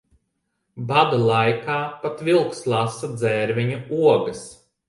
Bada laikā pat vilks lasa dzērveņu ogas.